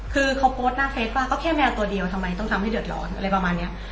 คือเขาโพสต์หน้าเฟสว่าก็แค่แมวตัวเดียวทำไมต้องทำให้เดือดร้อนอะไรประมาณนี้